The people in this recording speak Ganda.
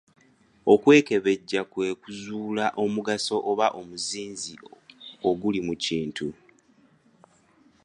Okwekebejja kwe kuzuula omugaso oba omuzinzi oguli mu kintu.